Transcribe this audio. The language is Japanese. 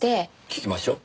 聞きましょう。